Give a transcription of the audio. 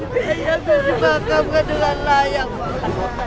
pak pak pak